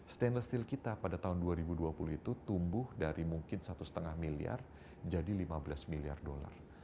stainless steel kita pada tahun dua ribu dua puluh itu tumbuh dari mungkin satu lima miliar jadi lima belas miliar dolar